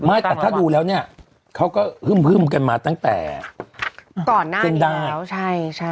ไม่แต่ถ้ารู้แล้วนี่เขาก็ฮึ่มกันมาตั้งแต่หน้าเช่นด้าย